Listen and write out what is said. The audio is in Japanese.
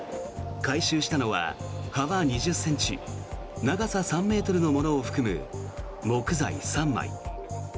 回収したのは幅２０ｃｍ長さ３ｍのものを含む木材３枚。